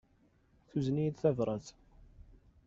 Tuzen-iyi-d tabrat.